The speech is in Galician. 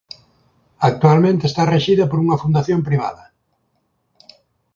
Actualmente está rexida por unha fundación privada.